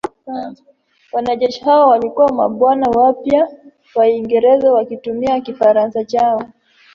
Wanajeshi hao walikuwa mabwana wapya wa Uingereza wakitumia Kifaransa chao.